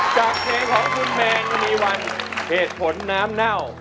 จากเพลงของคุณแมนมีวันเหตุผลน้ำเน่า